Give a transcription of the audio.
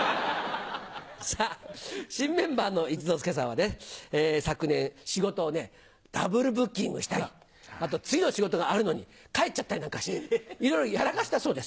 さあ、新メンバーの一之輔さんはね、昨年、仕事をね、ダブルブッキングしたり、あと次の仕事があるのに、帰っちゃったりなんかして、いろいろやらかしたそうです。